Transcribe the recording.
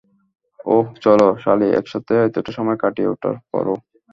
ওহ, চলো, সালি, একসাথে এতটা সময় কাটিয়ে ওঠার পরও?